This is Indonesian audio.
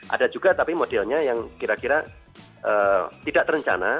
ada juga tapi modelnya yang kira kira tidak terencana